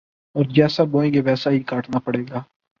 ، اور جیسا بوئیں گے ویسا ہی کاٹنا پڑے گا